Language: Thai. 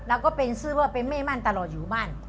แล้วก็เป็นสื่อเบอร์เป็นเม่มั่นตลอดอยู่บ้าน